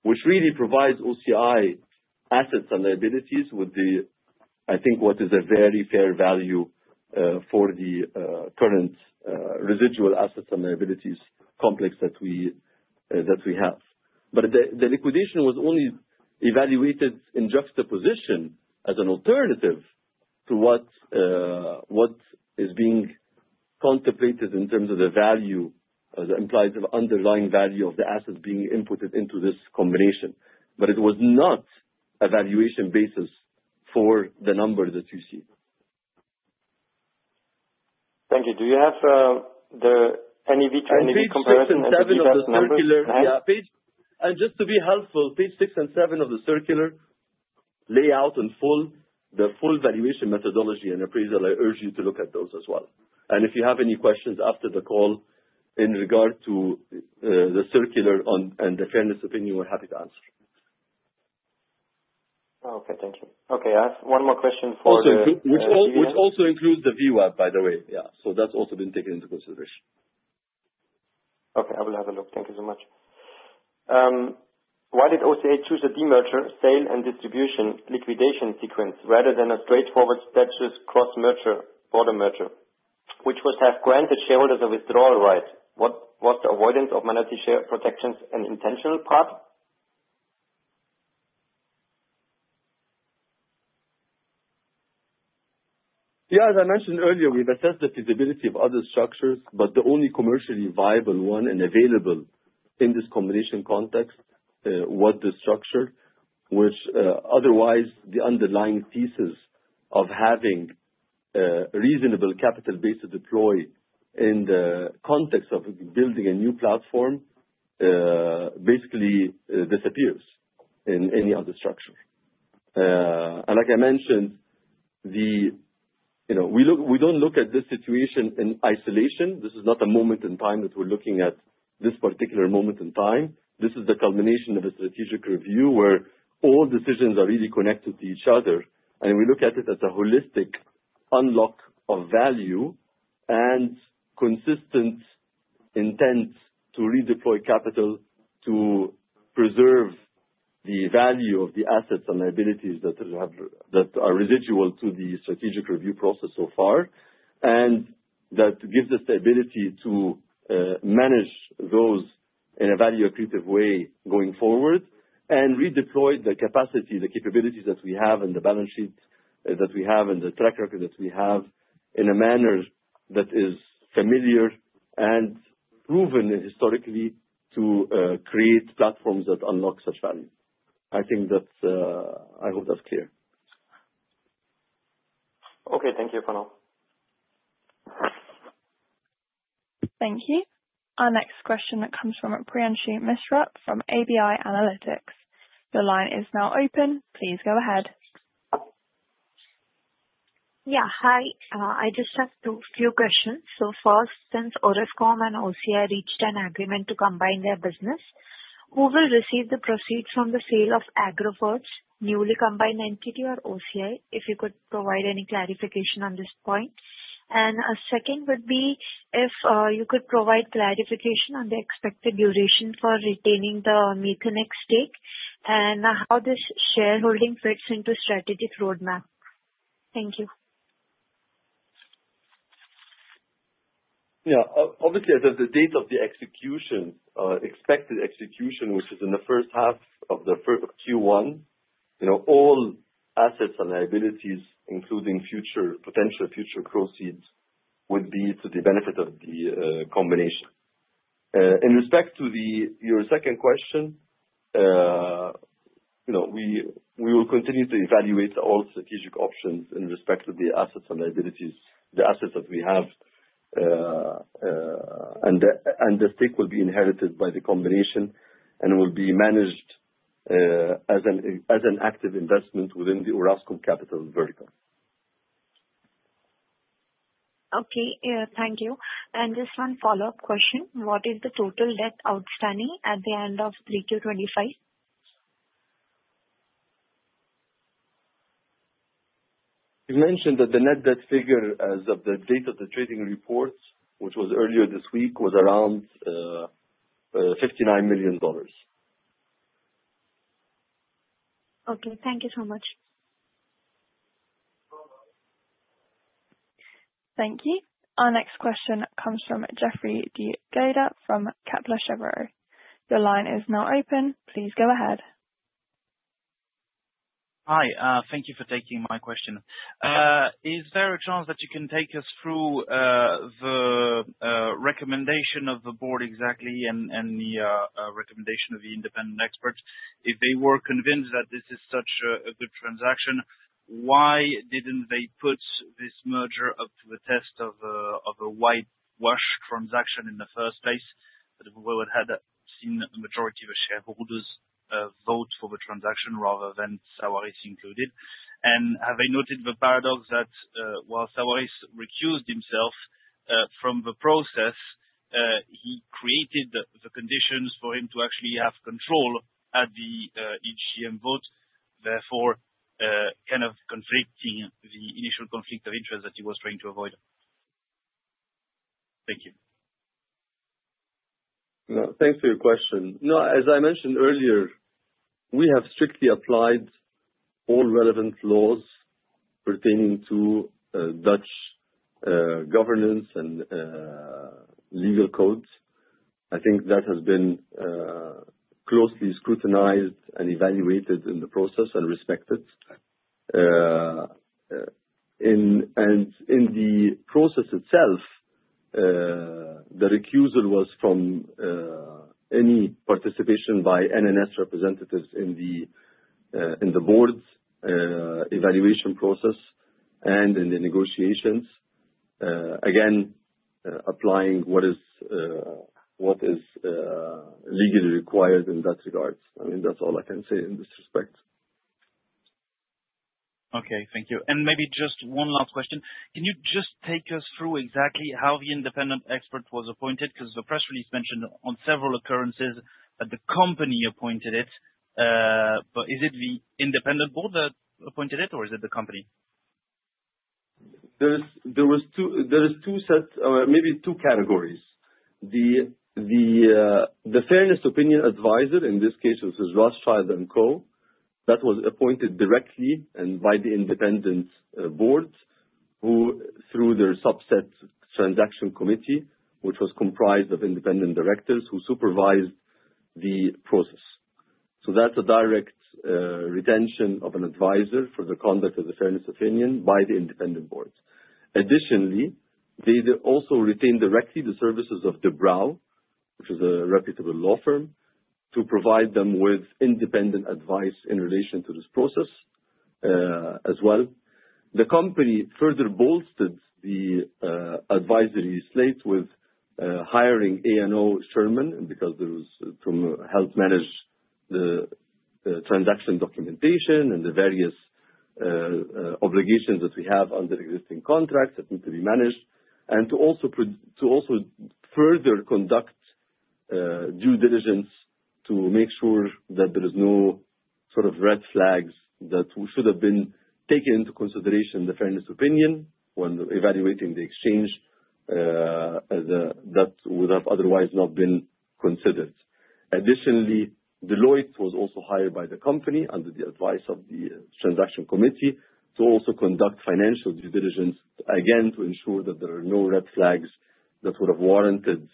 which really provides OCI assets and liabilities with the, I think, what is a very fair value for the current residual assets and liabilities complex that we have. But the liquidation was only evaluated in juxtaposition as an alternative to what is being contemplated in terms of the value, the implied underlying value of the assets being inputted into this combination. But it was not a valuation basis for the number that you see. Thank you. Do you have the NAV-to-NAV comparison in the circular? Yeah. And just to be helpful, page 6 and 7 of the circular lay out in full the valuation methodology and appraisal. I urge you to look at those as well. And if you have any questions after the call in regard to the circular and the fairness opinion, we're happy to answer. Okay. Thank you. Okay. I have one more question for the. Which also includes the VWAP, by the way. Yeah. So that's also been taken into consideration. Okay. I will have a look. Thank you so much. Why did OCI choose a demerger sale and distribution liquidation sequence rather than a straightforward stateless cross-border merger, which would have granted shareholders a withdrawal right? Was the avoidance of minority shareholder protections an intentional part? Yeah. As I mentioned earlier, we've assessed the feasibility of other structures, but the only commercially viable one and available in this combination context was the structure, which otherwise the underlying thesis of having reasonable capital base to deploy in the context of building a new platform basically disappears in any other structure. Like I mentioned, we don't look at this situation in isolation. This is not a moment in time that we're looking at this particular moment in time. This is the culmination of a strategic review where all decisions are really connected to each other. We look at it as a holistic unlock of value and consistent intent to redeploy capital to preserve the value of the assets and liabilities that are residual to the strategic review process so far. That gives us the ability to manage those in a value-accretive way going forward and redeploy the capacity, the capabilities that we have and the balance sheets that we have and the track record that we have in a manner that is familiar and proven historically to create platforms that unlock such value. I think that I hope that's clear. Okay. Thank you, Panel. Thank you. Our next question that comes from Priyanshi Mishra from ABI Analytics. The line is now open. Please go ahead. Yeah. Hi. I just have a few questions. So first, since Orascom and OCI reached an agreement to combine their business, who will receive the proceeds from the sale of the world's newly combined entity or OCI? If you could provide any clarification on this point. And second would be if you could provide clarification on the expected duration for retaining the Methanex stake and how this shareholding fits into strategic roadmap. Thank you. Yeah. Obviously, at the date of the execution, expected execution, which is in the first half of Q1, all assets and liabilities, including potential future proceeds, would be to the benefit of the combination. In respect to your second question, we will continue to evaluate all strategic options in respect of the assets and liabilities, the assets that we have, and the stake will be inherited by the combination and will be managed as an active investment within the Orascom capital vertical. Okay. Thank you. And just one follow-up question. What is the total debt outstanding at the end of Q2025? You mentioned that the net debt figure as of the date of the trading report, which was earlier this week, was around $59 million. Okay. Thank you so much. Thank you. Our next question comes from Geoffroy de Gouw from Kepler Cheuvreux. Your line is now open. Please go ahead. Hi. Thank you for taking my question. Is there a chance that you can take us through the recommendation of the board exactly and the recommendation of the independent experts? If they were convinced that this is such a good transaction, why didn't they put this merger up to the test of a whitewash transaction in the first place? We had seen a majority of the shareholders vote for the transaction rather than Sawiris' included. And have they noted the paradox that while Sawiris' recused himself from the process, he created the conditions for him to actually have control at the EGM vote, therefore kind of conflicting the initial conflict of interest that he was trying to avoid? Thank you. Thanks for your question. No, as I mentioned earlier, we have strictly applied all relevant laws pertaining to Dutch governance and legal codes. I think that has been closely scrutinized and evaluated in the process and respected. And in the process itself, the recusal was from any participation by NNS representatives in the board's evaluation process and in the negotiations, again, applying what is legally required in that regard. I mean, that's all I can say in this respect. Okay. Thank you. And maybe just one last question. Can you just take us through exactly how the independent expert was appointed? Because the press release mentioned on several occurrences that the company appointed it. But is it the independent board that appointed it, or is it the company? There are two sets, maybe two categories. The fairness opinion advisor, in this case, which was Rothschild & Co, that was appointed directly and by the independent board through their subset transaction committee, which was comprised of independent directors who supervised the process. So that's a direct retention of an advisor for the conduct of the fairness opinion by the independent board. Additionally, they also retained directly the services of De Brauw, which is a reputable law firm, to provide them with independent advice in relation to this process as well. The company further bolstered the advisory slate with hiring A&O Shearman because there was to help manage the transaction documentation and the various obligations that we have under existing contracts that need to be managed, and to also further conduct due diligence to make sure that there is no sort of red flags that should have been taken into consideration in the fairness opinion when evaluating the exchange that would have otherwise not been considered. Additionally, Deloitte was also hired by the company under the advice of the transaction committee to also conduct financial due diligence, again, to ensure that there are no red flags that would have warranted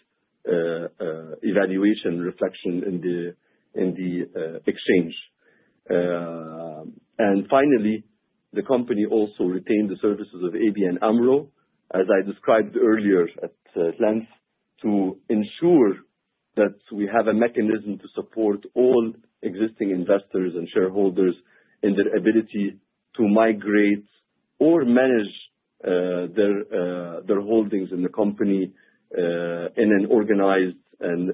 evaluation and reflection in the exchange. And finally, the company also retained the services of ABN AMRO, as I described earlier at length, to ensure that we have a mechanism to support all existing investors and shareholders in their ability to migrate or manage their holdings in the company in an organized and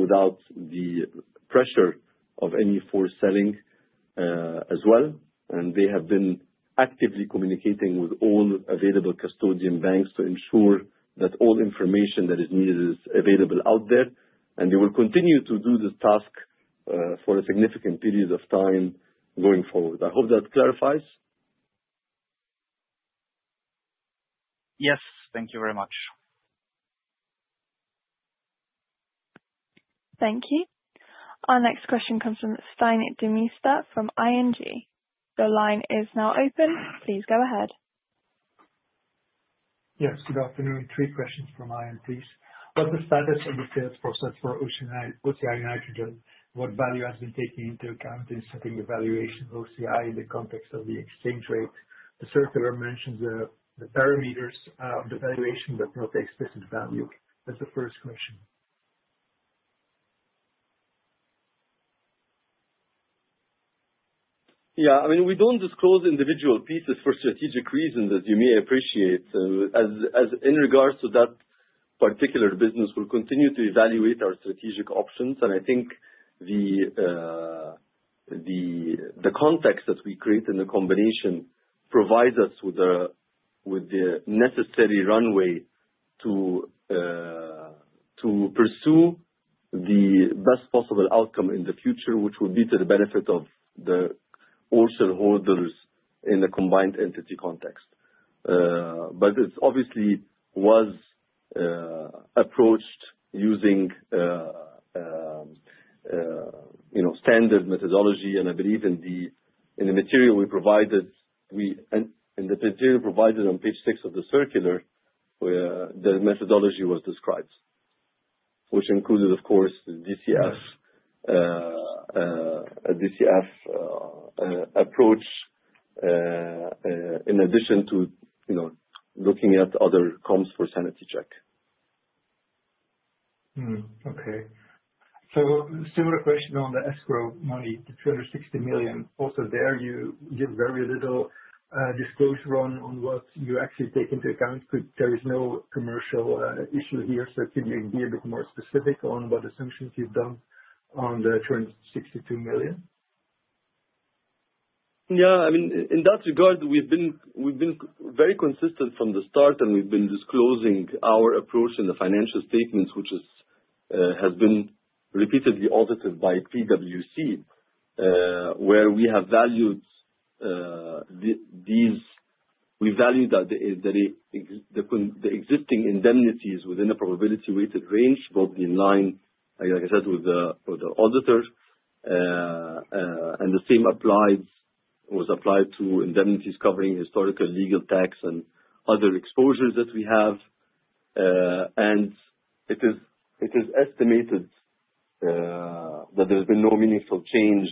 without the pressure of any forced selling as well. And they have been actively communicating with all available custodian banks to ensure that all information that is needed is available out there. And they will continue to do this task for a significant period of time going forward. I hope that clarifies. Yes. Thank you very much. Thank you. Our next question comes from Stijn Demeester from ING. The line is now open. Please go ahead. Yes. Good afternoon. Three questions from ING. What's the status of the sales process for OCI Nitrogen? What value has been taken into account in setting the valuation of OCI in the context of the exchange rate? The circular mentions the parameters of the valuation but no explicit value. That's the first question. Yeah. I mean, we don't disclose individual pieces for strategic reasons, as you may appreciate. In regards to that particular business, we'll continue to evaluate our strategic options. And I think the context that we create in the combination provides us with the necessary runway to pursue the best possible outcome in the future, which will be to the benefit of the shareholders in the combined entity context. But it obviously was approached using standard methodology. I believe in the material we provided, in the material provided on page 6 of the circular, the methodology was described, which included, of course, the DCF approach in addition to looking at other comps for sanity check. Okay. So similar question on the escrow money, the 260 million. Also there, you give very little disclosure on what you actually take into account because there is no commercial issue here. So can you be a bit more specific on what assumptions you've done on the 262 million? Yeah. I mean, in that regard, we've been very consistent from the start, and we've been disclosing our approach in the financial statements, which has been repeatedly audited by PwC, where we have valued these existing indemnities within a probability-weighted range, both in line, like I said, with the auditor. The same was applied to indemnities covering historical legal tax and other exposures that we have. It is estimated that there has been no meaningful change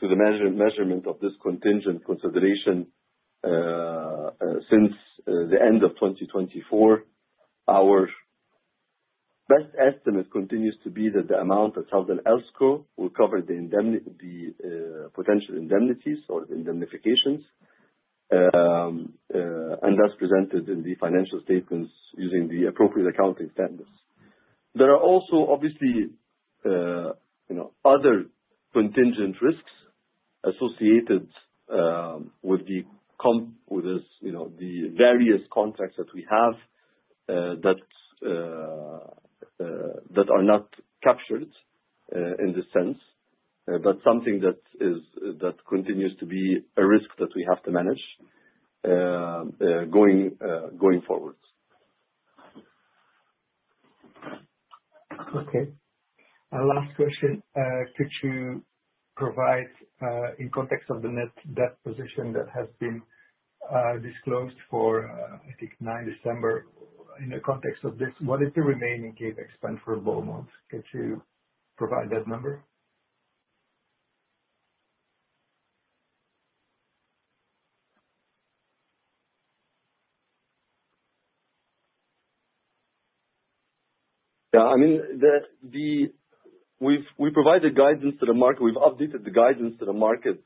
to the measurement of this contingent consideration since the end of 2024. Our best estimate continues to be that the amount of Southern ElseCo will cover the potential indemnities or the indemnifications and thus presented in the financial statements using the appropriate accounting standards. There are also, obviously, other contingent risks associated with the various contracts that we have that are not captured in this sense, but something that continues to be a risk that we have to manage going forward. Okay. Our last question. Could you provide, in context of the net debt position that has been disclosed for, I think, 9 December, in the context of this, what is the remaining CapEx for Beaumont? Could you provide that number? Yeah. I mean, we provided guidance to the market. We've updated the guidance to the market.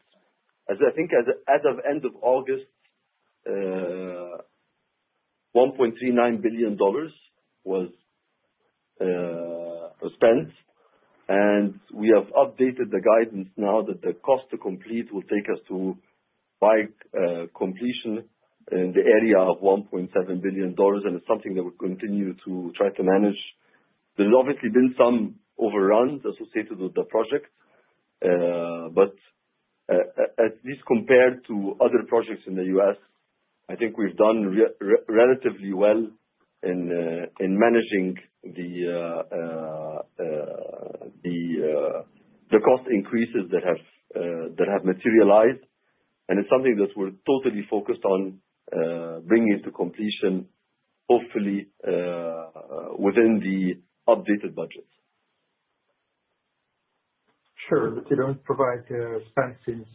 I think as of end of August, $1.39 billion was spent. And we have updated the guidance now that the cost to complete will take us to by completion in the area of $1.7 billion. And it's something that we continue to try to manage. There's obviously been some overruns associated with the project. But at least compared to other projects in the U.S., I think we've done relatively well in managing the cost increases that have materialized. And it's something that we're totally focused on bringing to completion, hopefully, within the updated budget. Sure. But you don't provide expenses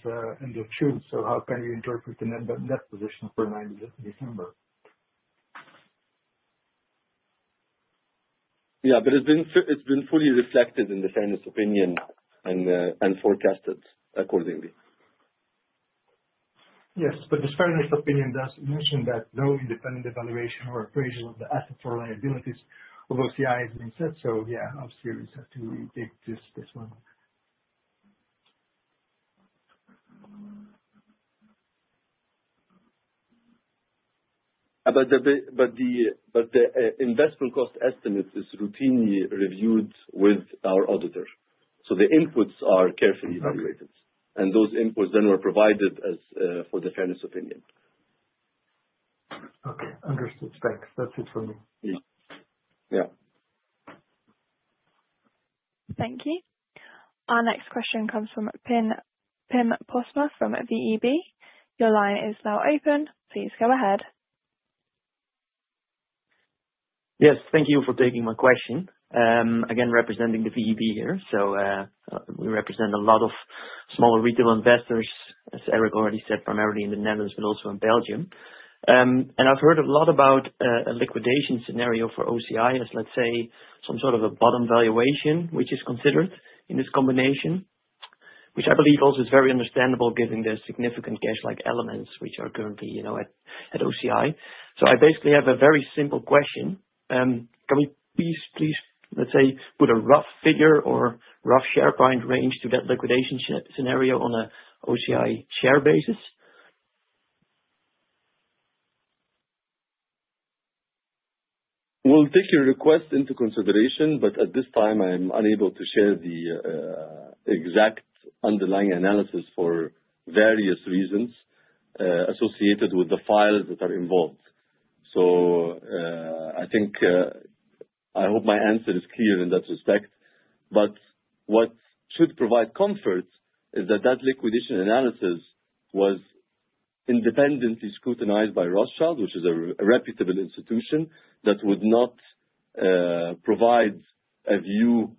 end of June. So how can you interpret the net position for 9 December? Yeah. But it's been fully reflected in the fairness opinion and forecasted accordingly. Yes. But the fairness opinion does mention that no independent evaluation or appraisal of the assets or liabilities of OCI has been set. So yeah, I'm serious as to take this one. But the investment cost estimate is routinely reviewed with our auditor. So the inputs are carefully evaluated. And those inputs then were provided for the fairness opinion. Okay. Understood. Thanks. That's it for me. Yeah. Thank you. Our next question comes from Pim Postma from VEB. Your line is now open. Please go ahead. Yes. Thank you for taking my question. Again, representing the VEB here. So we represent a lot of small retail investors, as Eric already said, primarily in the Netherlands, but also in Belgium. I've heard a lot about a liquidation scenario for OCI as, let's say, some sort of a bottom valuation, which is considered in this combination, which I believe also is very understandable given the significant cash-like elements which are currently at OCI. I basically have a very simple question. Can we please, let's say, put a rough figure or rough share price range to that liquidation scenario on an OCI share basis? We'll take your request into consideration. At this time, I'm unable to share the exact underlying analysis for various reasons associated with the files that are involved. I hope my answer is clear in that respect. But what should provide comfort is that that liquidation analysis was independently scrutinized by Rothschild, which is a reputable institution that would not provide a view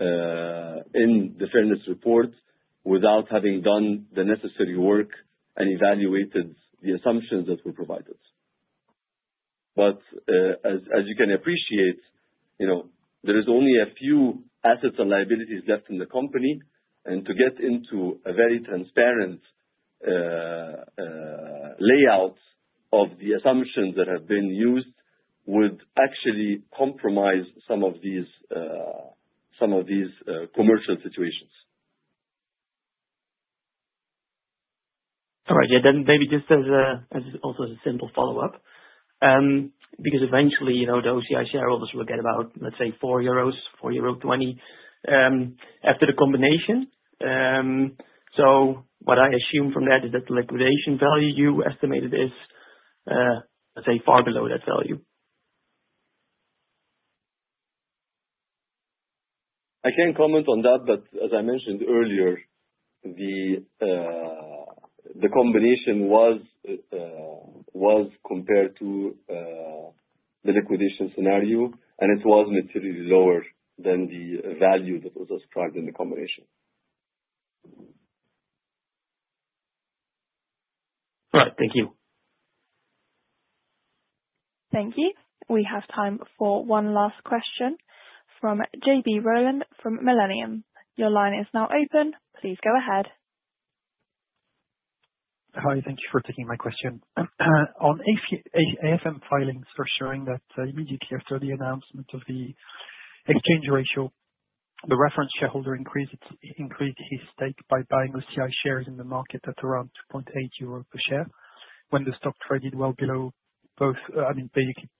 in the fairness report without having done the necessary work and evaluated the assumptions that were provided. But as you can appreciate, there are only a few assets and liabilities left in the company. And to get into a very transparent layout of the assumptions that have been used would actually compromise some of these commercial situations. All right. Yeah. Then maybe just as also as a simple follow-up, because eventually, the OCI shareholders will get about, let's say, 4-4.20 euros after the combination. So what I assume from that is that the liquidation value you estimated is, let's say, far below that value. I can't comment on that. But as I mentioned earlier, the combination was compared to the liquidation scenario, and it was materially lower than the value that was ascribed in the combination. Right. Thank you. Thank you. We have time for one last question from JB Rolland from Millennium. Your line is now open. Please go ahead. Hi. Thank you for taking my question. On AFM filings for showing that immediately after the announcement of the exchange ratio, the reference shareholder increased his stake by buying OCI shares in the market at around 2.80 euros per share when the stock traded well below both, I mean, basically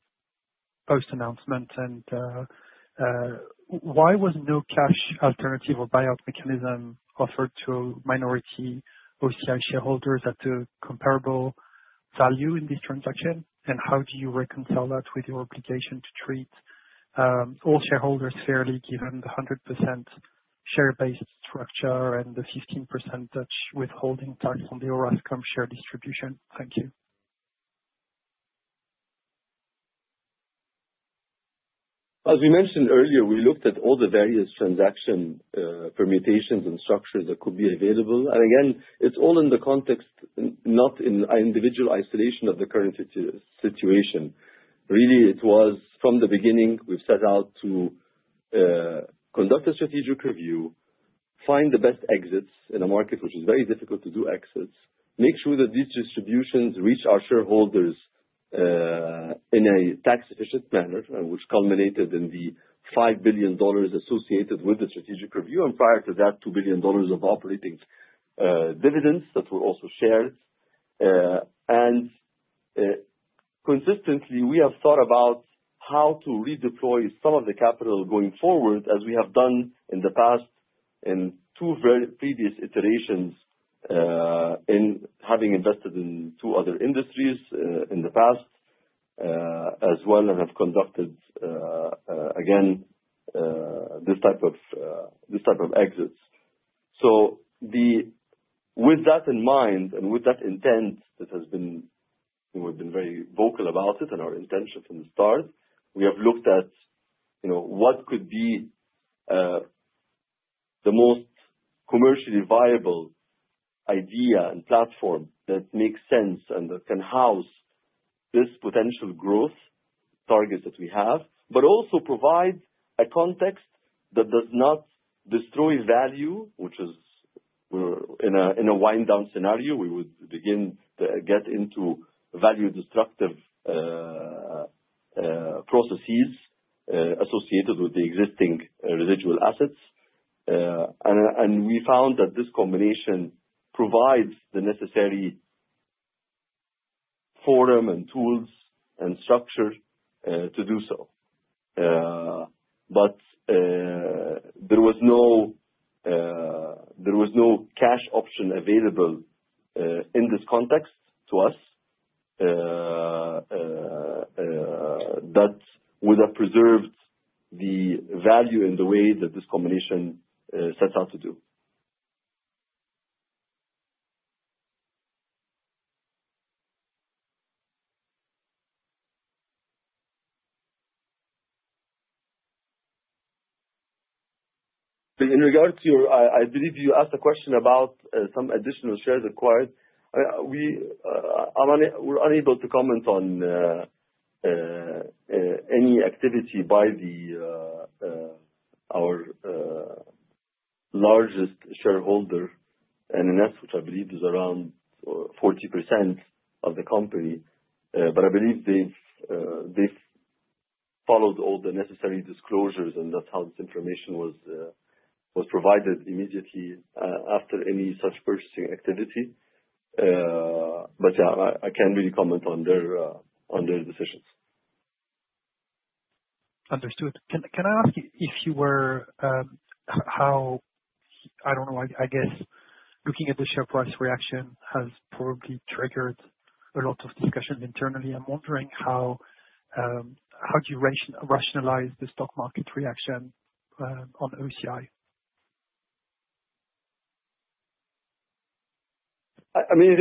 post-announcement. And why was no cash alternative or buyout mechanism offered to minority OCI shareholders at a comparable value in this transaction? How do you reconcile that with your obligation to treat all shareholders fairly given the 100% share-based structure and the 15% withholding tax on the Orascom share distribution? Thank you. As we mentioned earlier, we looked at all the various transaction permutations and structures that could be available. Again, it's all in the context, not in individual isolation of the current situation. Really, it was from the beginning, we've set out to conduct a strategic review, find the best exits in a market which is very difficult to do exits, make sure that these distributions reach our shareholders in a tax-efficient manner, which culminated in the $5 billion associated with the strategic review, and prior to that, $2 billion of operating dividends that were also shared. Consistently, we have thought about how to redeploy some of the capital going forward, as we have done in the past in two previous iterations in having invested in two other industries in the past as well and have conducted, again, this type of exits. With that in mind and with that intent, that has been we've been very vocal about it and our intention from the start, we have looked at what could be the most commercially viable idea and platform that makes sense and that can house this potential growth target that we have, but also provide a context that does not destroy value, which is in a wind-down scenario, we would begin to get into value-destructive processes associated with the existing residual assets. We found that this combination provides the necessary forum and tools and structure to do so. But there was no cash option available in this context to us that would have preserved the value in the way that this combination set out to do. In regards to your, I believe you asked a question about some additional shares acquired. We're unable to comment on any activity by our largest shareholder, NNS, which I believe is around 40% of the company. But I believe they've followed all the necessary disclosures, and that's how this information was provided immediately after any such purchasing activity. But yeah, I can't really comment on their decisions. Understood. Can I ask if you were how? I don't know. I guess looking at the share price reaction has probably triggered a lot of discussion internally. I'm wondering how do you rationalize the stock market reaction on OCI? I mean,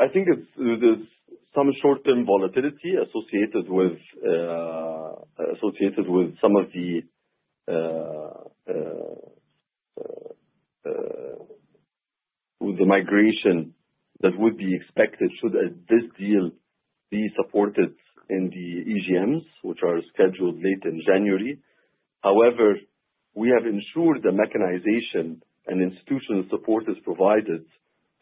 I think there's some short-term volatility associated with some of the migration that would be expected should this deal be supported in the AGMs, which are scheduled late in January. However, we have ensured the mechanism and institutional support is provided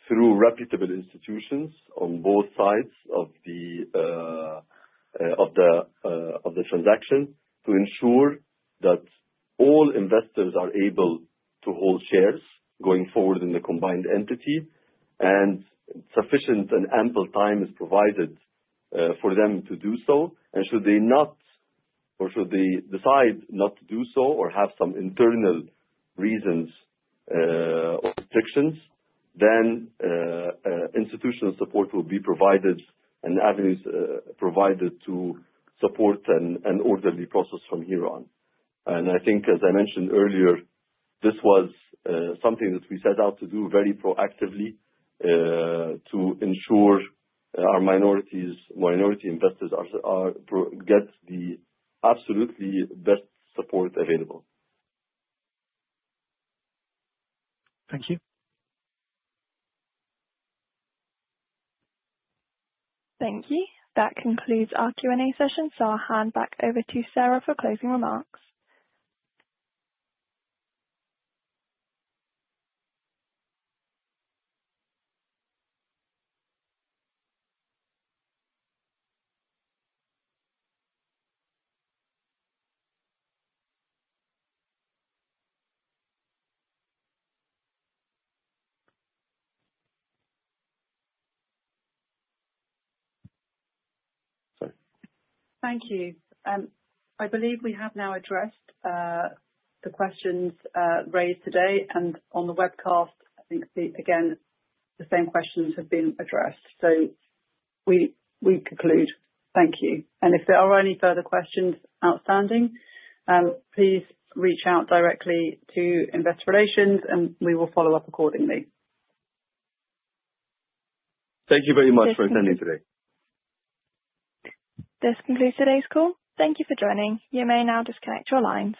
through reputable institutions on both sides of the transaction to ensure that all investors are able to hold shares going forward in the combined entity, and sufficient and ample time is provided for them to do so. And should they not, or should they decide not to do so or have some internal reasons or restrictions, then institutional support will be provided and avenues provided to support an orderly process from here on. And I think, as I mentioned earlier, this was something that we set out to do very proactively to ensure our minority investors get the absolutely best support available. Thank you. Thank you. That concludes our Q&A session. So I'll hand back over to Sarah for closing remarks. Sorry. Thank you. I believe we have now addressed the questions raised today. And on the webcast, I think, again, the same questions have been addressed. So we conclude. Thank you. And if there are any further questions outstanding, please reach out directly to Investor Relations, and we will follow up accordingly. Thank you very much for attending today. This concludes today's call. Thank you for joining. You may now disconnect your lines.